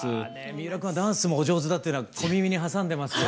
三浦君はダンスもお上手だっていうのは小耳に挟んでますよ。